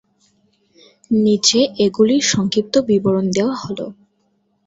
নিচে এগুলির সংক্ষিপ্ত বিবরণ দেওয়া হল।